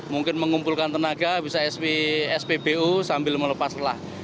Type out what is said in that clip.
mungkin mengumpulkan tenaga bisa spbu sambil melepas lelah